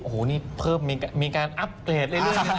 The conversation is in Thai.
โอ้โหนี่เพิ่มมีการอัพเกรดเรื่อย